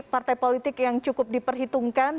partai politik yang cukup diperhitungkan